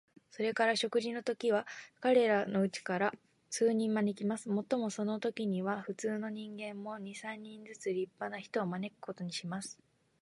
それから食事のときには、彼等のうちから数人招きます。もっともそのときには、普通の人間も、二三人ずつ立派な人を招くことにします。